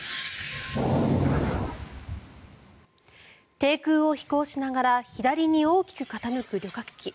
低空を飛行しながら左に大きく傾く旅客機。